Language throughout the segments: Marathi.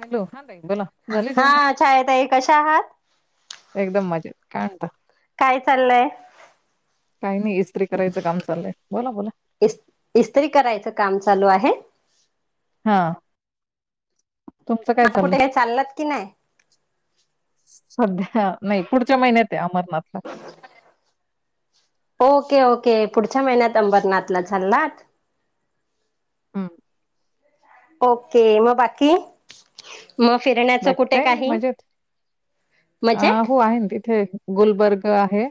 हॅलो हां नाही बोला झाले जेवणणा ा कशा आहात एकदम मजेत कायत काय चाललंय काही नाही इस्त्री करायचं काम चाललंय बोला बोला इ इस्त्री करायचं काम चालू आहे हा तुमचं काय आता चाललंय कुठे काही चाललात की नाही सध्या नाही पुढच्या महिन्यात आहे अमरनाथ ओके ओके पुढच्या महिन्यात अंबरनाथला चालला हम ओके मग बाकी म फिरत बाकी काही नाही मजेत अ मजेत हो आहे तिथे गुलबर्ग आहे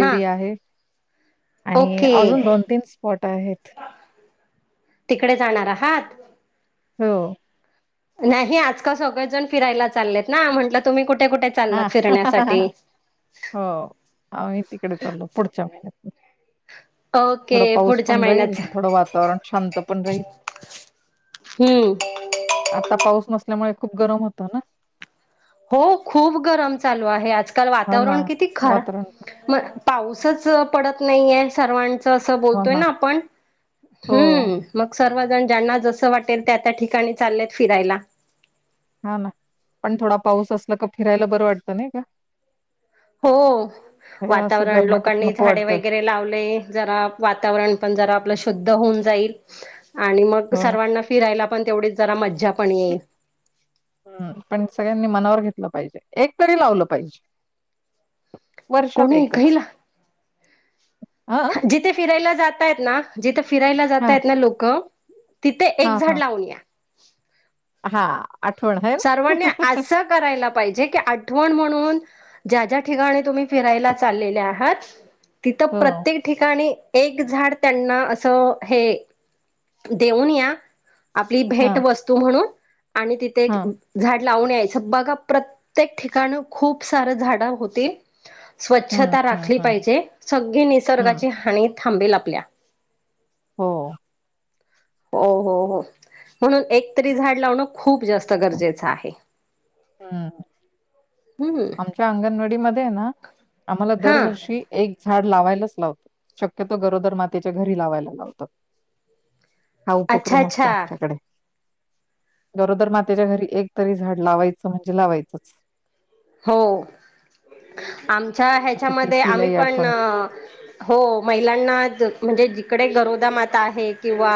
हा आहे आणि ओके अजून दोन, तीन स्पॉट आहेत. तिकडे जाणार आहात. हो नाही आजकाल सगळेजण फिरायला चाललेत ना म्हंटलं तुम्ही कुठे कुठे हा चाललात फिरण्यासाठी हो आही तिकडे चालो पुढच्या महिन्यात थोडं ओके पाऊस पुढच्या पण राहील महिन्यात थोडं वातावरण शांत पण राहील. हम्म आता पाऊस नसल्यामुळे खूप गरम होतं ना हो खूप गरम चालू आहे आजकाल हो ना वातावरण किती खरा वातावरण पण. म पाऊसच पडत नाही हे सर्वां असं बोलतोय ना आपण हो, हम्म मग सर्वजण ज्यांना जसं वाटेल त्या त्या ठिकाणी चाललेत फिरायला. हा ना पण थोडा पाऊस असला का फिरायला बरं वाटतं नाही का हो हे असं वातावरण गरमाटात लोकांनी नको झाडे वाटतं. वगैरे लावले जरा वातावरण पण जरा आपलं शुद्ध होऊन जाईल आणि मग हो ना. सर्वांना फिरायला पण तेवढीच जरा मज्जा पण येईल हम् पण सगळ्यांनी मनावर घेतलं पाहिजे एक तरी लावलं पाहिजे. वर्षात कोणी एकच घईला हा जिथे फिरायला जातयत ना जिथे फिरायला हां, जातायेत ना लोक तिथे एक झाड लावून या हा आठवण है सर्वांनी [inaudible] असं करायला पाहिजे की आठवण म्हणून ज्या ज्या ठिकाणी तुम्ही फिरायला चाललेल्या आहात तिथं हो. प्रत्येक ठिकाणी एक झाड त्यांना असं हे देऊन या. आपली भेट हां, वस्तू म्हणून आणि तिथे एक हां. झाड लावून यायचं बघा प्रत्येक ठिकाण खूप सार झाड होतील हं, स्वच्छता हं, राखली हं. पाहिजे सगळी हं. निसर्गाची हानी थांबेल आपल्या हो हो हो हो म्हणून एकतरी झाड लावणं खूप जास्त गरजेचं आहे. हम्म हम्म आमच्या अंगणवाडी मध्ये आहे ना आम्हाला हा दरवर्षी एक झाड लावायलाच लावतं शक्यतो गरोदर मातेच्या घरी लावायला लावतात. हा अच्छा उपक्रम असतो अच्छा आमच्याकडे. गरोदर मातेच्या घरी एकतरी झाड लावायचं म्हणजे लावायचंच. हो आमच्या म्हणजे ती हेच्यामध्ये आम्ही तिलाही पण आठवण हो महिलांना म्हणजे जिकडे गरोदा माता आहे किंवा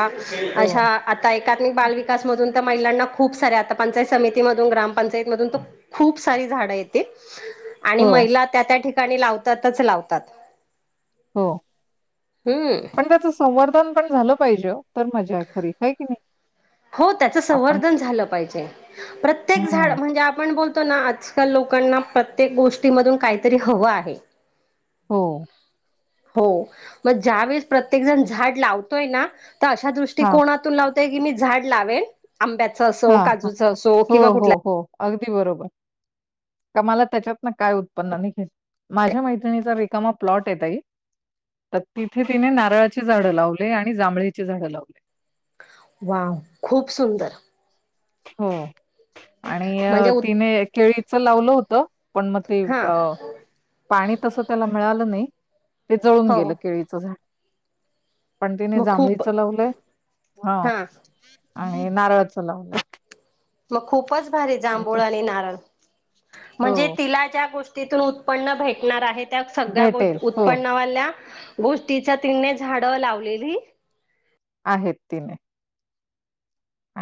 हो अशा आता एकात्मिक बाल विकासमधून तर महिलांना खूप सारे आता पंचायत समितीमधून, ग्रामपंचायत मधून तर खूप सारी झाड येते आणि हो महिला त्या त्या ठिकाणी लावतातच लावतात. हो हम्म पण त्याच संवर्धन पण झालं पाहिजे ओ काय तरी हाय की नाही. हो त्याचं आपण संवर्धन झालं पाहिजे. प्रत्येक हम्म झाड म्हणजे आपण बोलतो ना आज तर लोकांना प्रत्येक गोष्टीमधून काहीतरी हवं आहे. हो हो म ज्या वेळेस प्रत्येक जण झाड लावतोय ना तर अशा हां दृष्टीकोनात की मी झाड लावेल आंब्याचं असो हां हां काजूचं असो हो किंवा हो कुठल्याही हो अगदी बरोबर. का मला त्याच्यातन काय उत्पन्न मिळेल. माझ्या मैत्रिणीचा रिकामा प्लॉट हे ताई. तर तिथे तिने नारळाची झाडं लावले आणि जांभळीची झाडं लावले. वाव खूप सुंदर. हो आणि म्हणजे उ तिने केळीच लावलं होतं. पण म ते हा अ पाणी तस त्याला मिळालं नाही. ते जळून हो गेलं केळीचं झाड. पण तिने मग खूप जांभळीचं लावलंय हा आणि नारळाचं लावलंय. मग खूपच भारी म्हणजे जांभूळ आणि नारळ. हो म्हणजे तिला ज्या गोष्टी तिथून उत्पन्न भेटणार आहे. त्या सगळ्या भेटेल गोष्टी हो उत्पन्नवाल्या गोष्टीच्या तिने झाडं लावलेली. आहेत तिने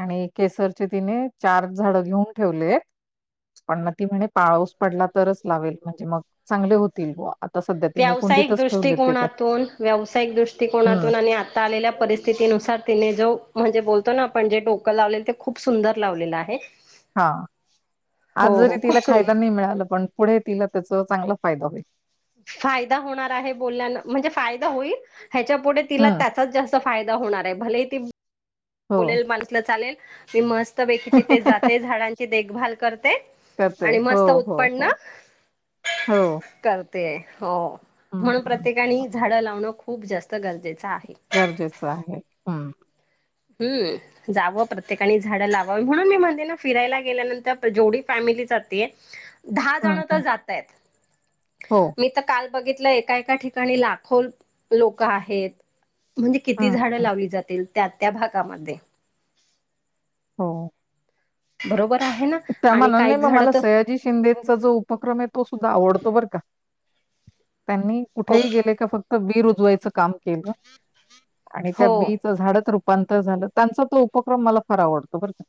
आणि केसरचे तिने चार झाड घेऊन ठेवलेत. पण मग ती म्हणे, पाऊस पडला तरच लावेल. म्हणजे मग चांगले होतील बॉ. व्यावसायिक दृष्टिकोनातून व्यावसायिक हम्म दृष्टिकोनातून आणि आ आता आलेल्या परिस्थितीनुसार, तिने जो म्हणजे बोलतो ना आपण जे डोकं लावलेल ते खूप सुंदर लावलेलं आहे. [inaudible] हा आज हो हो जरी खूप तिला खायला सुंदर नाही मिळालं, पण पुढे तिला त्याच चांगला फायदा होईल. फायदा होणार आहे. बोलण्यान म्हणजे फायदा होईल ह्याच्या पुुढे तिला हम्म त्याचाच जास्त फायदा होणार आहे. भलेही ती हो बोलेल मंथला चालेल. मी मस्तपैकी तिथे जाते झाडांची देखभाल करते. करते आणि हो मस्त हो उत्पन्न हो हो ते हो म्हणून हम्म प्रत्येकाने झाडं लावणं खूप जास्त गरजेचं आहे. गरजेचं आहे. हम् हम्म जावं प्रत्येकानी झाडं लावावी. म्हणून मी म्हणते ना फिरायला गेल्यानंतर जेवढी फॅमिली जातीये. दहा हम्म जण तर हम्म जाता येत. हो मी तर काल बघितलं एका एका ठिकाणी लाखो लोक आहेत. म्हणजे किती हं, झाडं हं. लावली जातील त्या त्या भागामध्ये. हो बरोबर आहे ना, आणि काही झाड तर, शिंदेचा जो उपक्रम आहे, तो सुद्धा आवडतो बरं का. त्यांनी कुठेही ओके गेले का, फक्त बी रुजवायचं काम केलं. आणि त्या हो बी झाड रूपांतर झालं, त्यांचा तो उपक्रम मला फार आवडतो बरं का.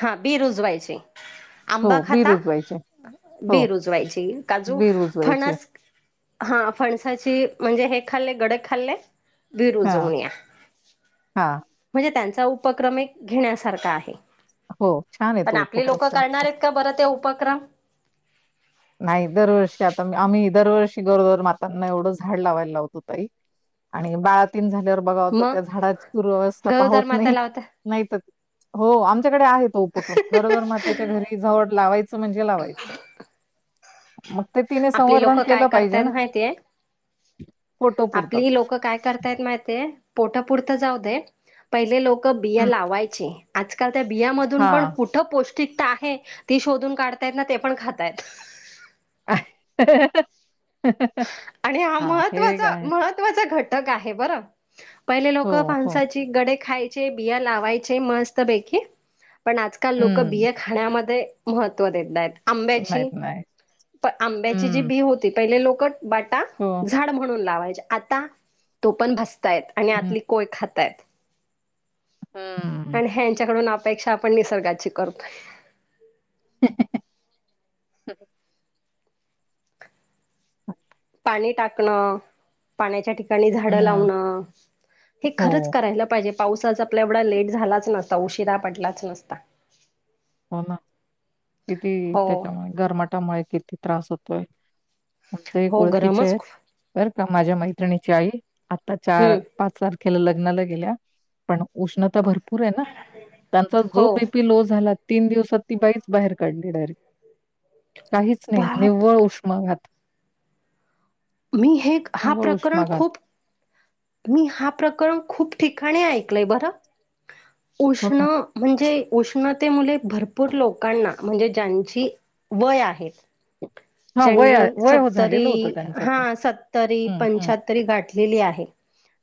हा बी रुजवायची आंबा हो, बी खाता रुजवायचे. हो, बी उजवायची काजू बी रुजवायचे. फणस हा फणसाची म्हणजे हे खाल्ले गड खाल्ले बी हां, विरुजवून या हां. म्हणजे त्यांचा उपक्रम एक घेण्यासारखा आहे हो छान य पण तो आपली उपक्रम लोक करणार त्यांचा आहेत का बरत आहे उपक्रम नाही दरवर्षी आता आम्ही दरवर्षी गरोदर मातांना एवढं झाड लावायला लावतो तई आणि बाळतीन झाल्यावर बघाव तर मग त्या झाडाची तुरावस्था पाहवत गरोदर माता नाही लावता नाही त हो आ डे आहे तो उपक्रम गरोजर मातेच्या घरी जवळ लावायच म्हणजे लावायचं मग ते तिने आपले लोक संवर्धन काय केलं पाहिजे ना करतयत माहितीय फोटो पुरतं. आपली लोकं काय करतायत माहिित पोटा पुुरतं जाऊ दे पहिले लोक बिया हं. लावायचे आजकाल त्या बियामधून पण हा. कुठं पौष्टिकता आहे ती शोधून काढतायत ना ते पण खातायत अ आणि हा हे महत्वाचा काय महत् घटक आहे बरं. पहिले हो, लोक हो. माणसाची गडे खायचे बिया लावायचे मस्त पैकी. पण आजकाल लोकं हं. बिया खाण्यामध्ये महत्त्व देत आहेत. आंब्याची नाहीत नाही. पण आंब्याची जी हं. बी होती पहिले लोक बाटा हो झाड म्हणून लावायची आता तो पण भसतायत आणि हं. आपली कोय खातायत हं. आणि ह्यांच्याकडून आप पेक्षा आपण निसर्गाची करतो. ह ह ह अ पाणी टाकण पाण्याच्या ठिकाणी झाडं हं. लावण हे खरंच हो. करायला पाहिजे. पावसाच आपला एवढा लेट झालाच नसता उशिरा पडलाच नसता. हो ना किती हो त्याच्यामुळे घरमाटामुळे किती त्रास होतोय आमचं एक हो ओळखीच गरमच आहे खूप बरं का माझ्या मैत्रिणीची आई आत्ता चार हम्म पाच तारखेला लग्नाला गेल्या पण उष्णता भरपूर भरपूर आहे ना त्यांचा जो हो बीपी लो झाला. तीन दिवसात ती बाईच बाहेर काढली डायरेक्ट काहीच नाही बाप निव्वळ उष्माघात मी हे हा निव्वळ प्रकरण उष्माघात खूप मी हा प्रकरण खूप ठिकाणी ऐकलंय बरं हो उष्ण ना म्हणजे उष्णते मुले भरपूर लोकांना म्हणजे ज्यांची वय आहेत हा वय ज्यांनी वय हो झालेलं सत्तरी होतं त्यांचं हा पण सत्तरी हम्म हम्म पंच्याहत्तरी गाठलेली आहे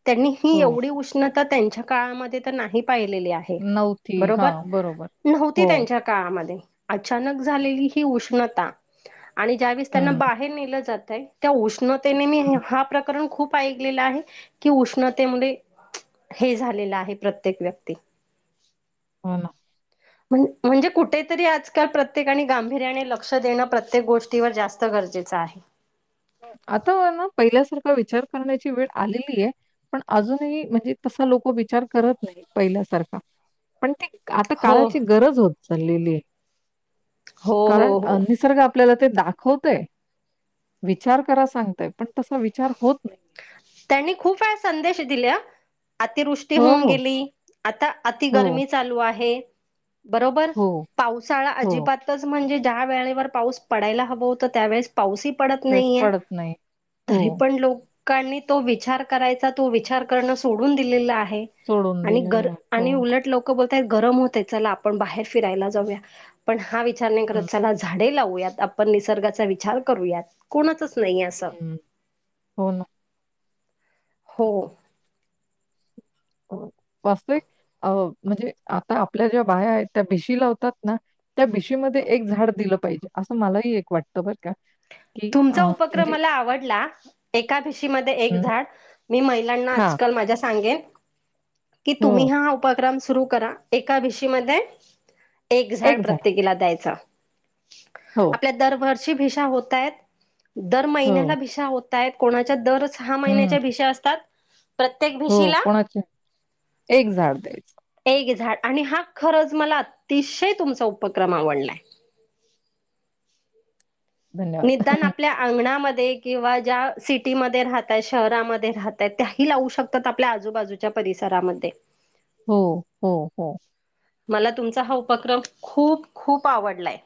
त्यांनी ही हो एवढी उष्ण त्यांच्या काळामध्ये तर नाही पाहिलेली आहे नवथी हा बरोबर बरोबर नव्हती हो त्यांच्या काळामध्ये अचानक झालेली ही उष्णता आणि ज्यावेळेस त्यांना हम्म बाहेर नेलं जातंय त्या उष्णतेने मी हम्म हा प्रकरण खूप पाहिलेला आहे की उष्णतेमुळे हे झालेलं आहे प्रत्येक व्यक्ती हो ना म्हणजे कुठेेतरी आजकाल प्रत्येकाने गांभीर्याने लक्ष देणं प्रत्येक गोष्ट किंवा व जास्त गरजेचं आहे. आता ना पहिल्यासारखा विचार करण्याची वेळ आलेली आहे. पण अजूनही म्हणजे तसा लोक विचार करत नाही पहिल्यासारखा पण ती आता हो काळाची गरज होत चाललेली. हो कारण हो हो निसर्ग आपल्याला ते दाखवतंय. विचार करा सांगताय पण तसा विचार होत नाही. त्यांनी खूप वेळा संदेश दिले अतिवृष्टी हो, होऊन हो. गेली आता अति हो, गरमी चालू आहे बरोबर हो, पावसाळा हो. अजिबात च म्हणजे ज्या वेळेवर पाऊस पडायला हवं होतं त्या वेळेस पाऊसही पडत स्ट्रेस नाहीय. पडत नाही. हो, तरी पण लोकांनी तो विचार करायचा तो विचार करणं सोडून दिलेला आहे. सोडून आणि दिलेलं गर आहे. हो. आणि उलट लोक गरम होत चला आपण बाहेर फिरायला जाऊया पण हा विचार करत नाही हं, चला झाडे लावूयात आपण निसर्गाचा विचार करूयात कोणाचाच नाही असं हं. हो ना हो वास्तविक अ म्हणजे आता आपल्या ज्या बाया आहेत त्या भेशी लावतात ना? त्या बिशीमध्ये एक झाड दिलं पाहिजे असं मलाही एक वाटतं बर का की अ, तुमचा उपक्रम म्हणजे मला आवडला एका भिशीमध्ये एक हं, झाड मी महिलांना हां, आजकाल माझ्या सांगेन कि तुम्ही हो, हा उपक्रम सुरू करा एका विशीमध्ये एक झाड प्रत्येकीला द्यायचा हो त्या दरवर्षी भिषा होत आहेत. दर हो, महिन्याला भिषा होत आहेत कोणाच्या दर सहा हं, महिन्याच्या भिषा असतात. प्रत्येक हो भिशीला कोणाचे एक झाड द्यायचं. एक झाड आणि हा खरंच मला अतिशय तुमचा उपक्रम आवडलाय. धन्यवाद. निदान आ आपल्या अंगणामध्ये किंवा ज्या सिटीमध्ये राहतय शहरामध्ये राहतय त्याही लावू शकत तात आपल्या आजूबाजूच्या परिसरामध्ये. हो हो हो. मला तुमचा हा उपक्रम खूप खूप आवडलाय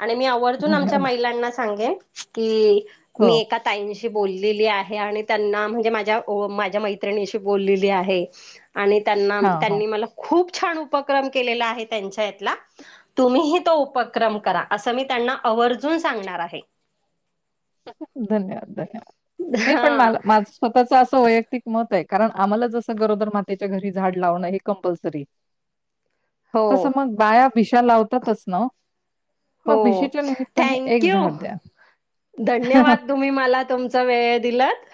आणि मी आवडतून आमच्या धन्यवाद. ह्यांना सांगेन की हो, मी एका ताईंशी बोललेली आहे आणि त्यांना म्हणजे माझ्या माझ्या मैत्रिणीशी बोललेली आहे. आणि त्यांना हां, हो. त्यांनी मला खूप छान उपक्रम केलेला आहे त्यांच्या ईतला तुम्ही तो उपक्रम करा असं मी त्यांना आवर्जून सांगणार आहे. धन्यवाद धन्यवाद नाही पण हा मला माझ स्वतःच असं वैयक्तिक मत आहे कारण आम्हाला जसं गरोदर मातेच्या घरी झाड लावणं हे कंपल्सरी हो तसं मग बाया भिशा लावतातच ना आ हो थँक यू. झाड द्या. धन्यवाद तुम्ही मला तुमचा वेळ दिलात.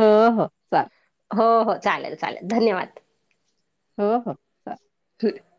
हो हो. चालेल. हो हो चालेल चालेल धन्यवाद. हो हो. चालेल. [unintelligible] [inaudible]